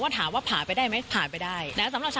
อืดหนืดไม่ประสบความสำเร็จ